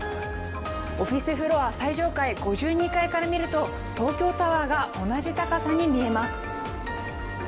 オフィスフロア最上階５２階から見ると東京タワーが同じ高さに見えます。